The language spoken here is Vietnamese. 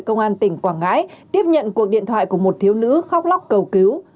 công an tỉnh quảng ngãi tiếp nhận cuộc điện thoại của một thiếu nữ khóc lóc cầu cứu